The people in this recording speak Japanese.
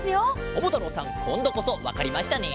ももたろうさんこんどこそわかりましたね？